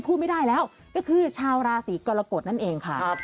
พูดไม่ได้แล้วก็คือชาวราศีกรกฎนั่นเองค่ะ